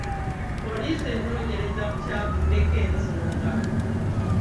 Poliisi enoonyereza ku kyavuddeko ensonga.